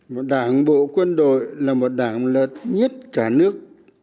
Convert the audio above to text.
một đảng bộ quân đội là một đảng lợt nhất cả nước